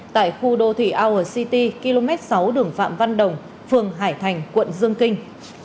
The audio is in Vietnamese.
tại khu đô thị our city km sáu đường phạm văn đồng phường hải thành quận dương kinh